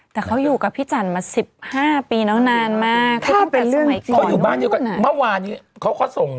แต่เขาอยู่กับพี่จันรใจมาสิบห้าปีนานมากเขาตั้งแต่สมัยก่อน